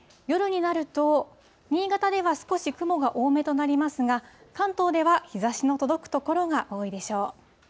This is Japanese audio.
夜になると、新潟では少し雲が多めとなりますが、関東では日ざしの届く所が多いでしょう。